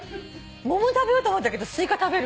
桃食べようと思ったけどすいか食べる。